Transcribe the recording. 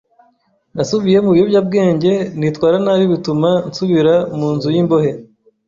Nasubiye mu biyobyabwenge, nitwara nabi bituma nsubira mu nzu y’imbohe